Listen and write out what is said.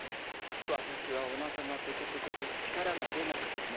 わたしはおなかがペコペコでちからがでなくてね。